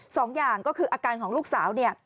สองอย่างก็คืออาการของลูกสาวเนี่ย